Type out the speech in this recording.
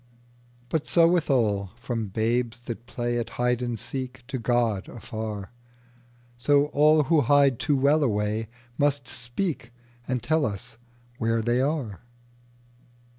But so with all, from babes that playAt hide and seek to God afar, So all who hide too well awayMust speak and tell us where they are.